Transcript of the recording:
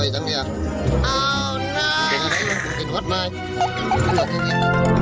สวัสดีค่ะ